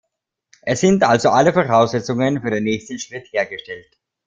Es sind also alle Voraussetzungen für den nächsten Schritt hergestellt.